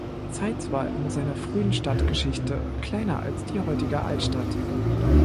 Zeitz war in seiner frühen Stadtgeschichte kleiner als die heutige Altstadt.